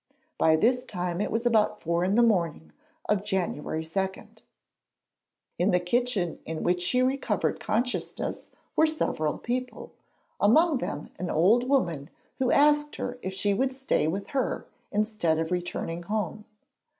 By this time it was about four in the morning of January 2. In the kitchen in which she recovered consciousness were several people, among them an old woman who asked her if she would stay with her instead of returning home.